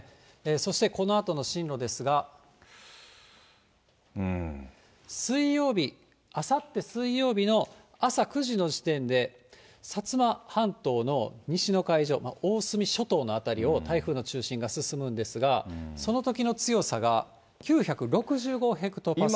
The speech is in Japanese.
そしてこのあとの進路ですが、水曜日、あさって水曜日の朝９時の時点で、薩摩半島の西の海上、大隅諸島の辺りを、台風の中心が進むんですが、そのときの強さが９６５ヘクトパスカル。